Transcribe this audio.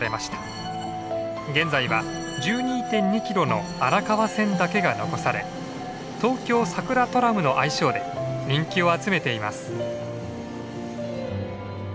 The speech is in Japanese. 現在は１２．２キロの荒川線だけが残され東京さくらトラムの愛称で人気を集めています。